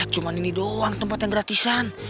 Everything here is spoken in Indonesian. cuma ini doang tempat yang gratisan